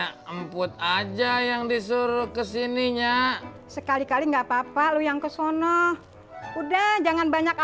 sampai jumpa di video selanjutnya